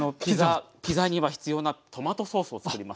ピザには必要なトマトソースをつくります。